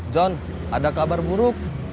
john ada kabar buruk